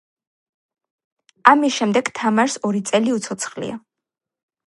ამის შემდეგ თამარს ორი წელი უცოცხლია.